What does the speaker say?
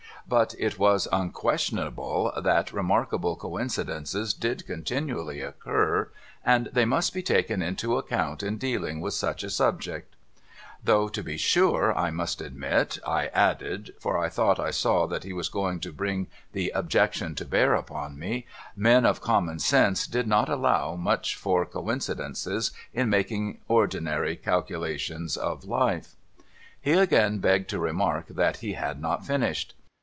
But it was A REMARKABLE COINCIDENCE 463 unquestionable that remarkable coincidences did continually occur, and they must be taken into account in dealing with such a subject' Though to be sure I must admit, I added (for I thought I saw that he was gonig to bring the objection to bear upon me), men of common sense did not allow much for coincidences in making the ordinary calculations of life. He again begged to remark that he had not finished.